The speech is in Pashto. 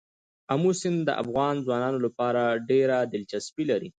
آمو سیند د افغان ځوانانو لپاره ډېره دلچسپي لري.